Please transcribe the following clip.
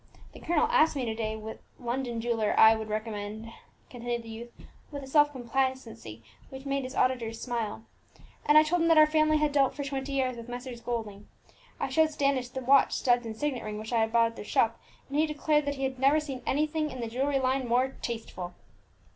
The colonel asked me to day what London jeweller I would recommend," continued the youth with a self complacency which made his auditors smile, "and I told him that our family had dealt for twenty years with Messrs. Golding. I showed Standish the watch, studs, and signet ring which I had bought at their shop, and he declared that he had never seen anything in the jewellery line more tasteful."